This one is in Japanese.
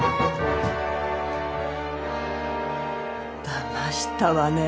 だましたわね！